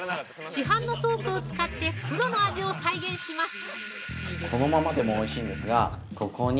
市販のソースを使ってプロの味を再現します。